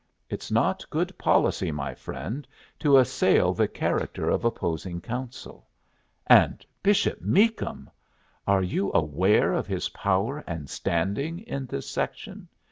It's not good policy, my friend, to assail the character of opposing counsel. And Bishop Meakum! Are you aware of his power and standing in this section?